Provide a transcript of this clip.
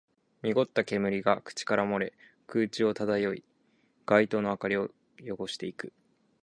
濁った煙が口から漏れ、空中を漂い、街灯の明かりを汚していく